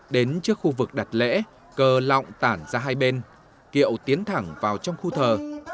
đến trước khu vực đặt lễ cờ lọng tản ra hai bên kiệu tiến thẳng vào trong khu thờ